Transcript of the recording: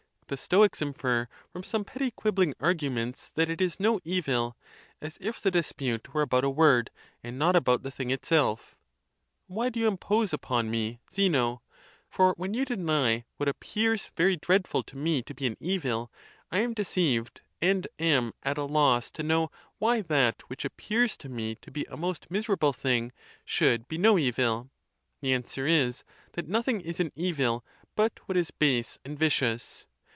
The Stoics infer from some petty quibbling arguments that it is no evil, as if the dispute were about a word, and not about the thing itself. Why do you impose upon me, Zeno? For when you deny what appears very dreadful to me to be an evil, I am deceived, and am at a loss to know why that which appears to me to be a most miser able thing should be no evil. 'Phe answer is, that nothing is an evil but what is base and vicious.